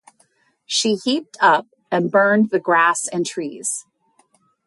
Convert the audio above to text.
She heaped up and burned the grass and trees.